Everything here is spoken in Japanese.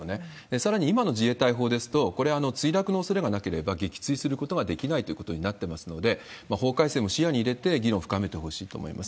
さらに今の自衛隊法ですと、これ、墜落のおそれがなければ、撃墜することができないということになっていますので、法改正も視野に入れて、議論深めてほしいと思います。